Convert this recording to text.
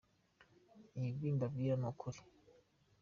Ibi mbabwira ni ukuri.